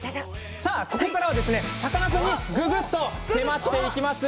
ここからはさかなクンにぐぐっと迫っていきます。